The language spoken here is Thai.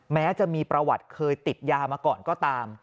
แม้จะมีประวัติเคยติดยามาก่อนก็ตาม